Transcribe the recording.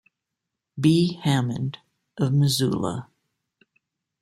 B. Hammond, of Missoula.